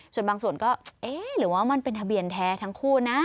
ส่วนบางส่วนก็เอ๊ะหรือว่ามันเป็นทะเบียนแท้ทั้งคู่นะ